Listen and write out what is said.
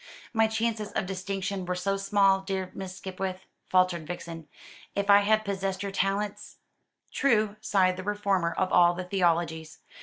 "My chances of distinction were so small, dear Miss Skipwith," faltered Vixen. "If I had possessed your talents!" "True," sighed the reformer of all the theologies.